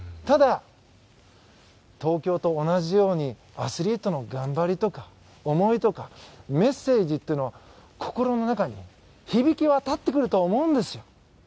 ただ、東京と同じようにアスリートの頑張りとか思いとか、メッセージというのを心の中に響き渡ってくると思うんです。